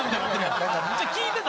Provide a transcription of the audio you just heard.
聞いてた？